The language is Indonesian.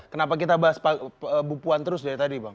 kenapa kita bahas bu puan terus dari tadi bang